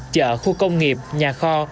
chợ khu công nghiệp nhà kho